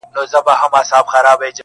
یاره ستا خواږه کاته او که باڼه وي-